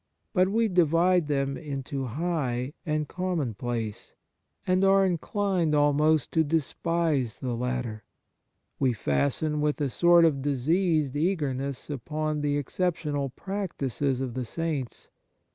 But we divide them into high and commonplace, and are inclined almost to despise the latter. We fasten with a sort of diseased eagerness upon the excep tional practices of the saints.